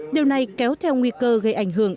điều này kéo theo nguy cơ gây ảnh hưởng